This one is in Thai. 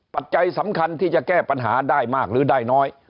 ปัจจัยสำคัญที่จะแก้ปัญหาได้มากหรือได้น้อย